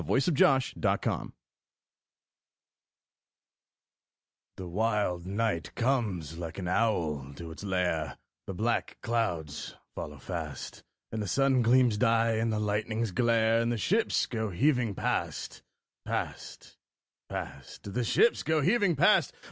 God Help Our Men at Sea The wild night comes like an owl to its lair, The black clouds follow fast, And the sun gleams die, and the lightnings glare, And the ships go heaving past, past, past The ships go heaving past!